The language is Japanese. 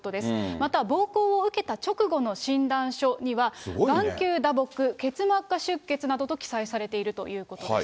また、暴行を受けた直後の診断書には、眼球打撲、結膜下出血などと記載されているということです。